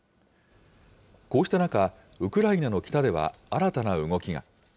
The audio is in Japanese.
こうした中、ウクライナの北では新たな動きが。